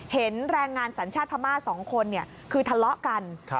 เห็นแรงงานสัญชาติพม่า๒คนคือทะเลาะกัน